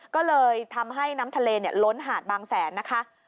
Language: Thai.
ก็เลยทำให้น้ำทะเลล้นหาดบางแสนนะคะ